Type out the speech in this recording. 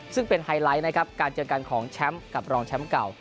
ซึ่งเป็นไฮไลท์นะครับการเจอกันของแชมป์กับรองแชมป์เก่า